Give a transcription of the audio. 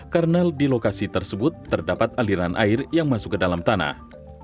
karena di lokasi tersebut terdapat aliran air yang masuk ke dalam tanah